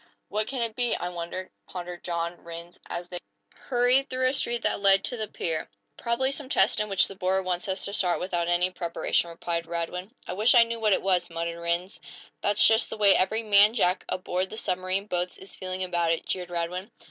"What can it be, I wonder?" pondered John Rhinds, as they hurried through a street that led to the pier. "Probably some test in which the board wants us to start without any preparation," replied Radwin. "I wish I knew what it was," muttered Rhinds. "That's just the way every man jack aboard the submarine boats is feeling about it," jeered Radwin.